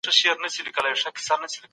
دا زموږ مهارت دئ.